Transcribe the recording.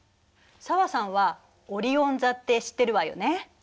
紗和さんはオリオン座って知ってるわよね。